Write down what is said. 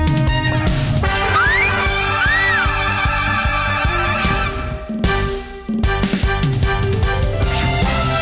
แม่บ้านประจำบาน